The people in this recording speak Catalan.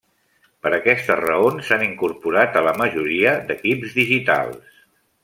Per aquestes raons s'han incorporat a la majoria d'equips digitals.